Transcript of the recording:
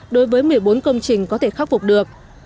đối với một mươi bốn công trình có thể khắc phục được